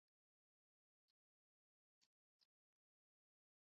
亦是目前六名成员中唯一一个创团初期的成员。